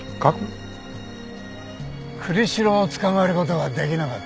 栗城を捕まえる事ができなかったんです。